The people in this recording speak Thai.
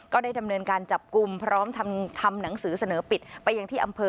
ได้ดำเนินการจับกลุ่มพร้อมทำหนังสือเสนอปิดไปยังที่อำเภอ